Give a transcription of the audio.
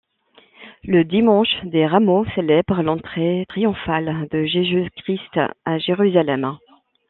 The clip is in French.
Le dimanche des Rameaux célèbre l'entrée triomphale de Jésus-Christ à Jérusalem.